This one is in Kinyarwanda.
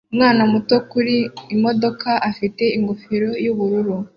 Umwana muto kuri imodoka afite ingofero yubururu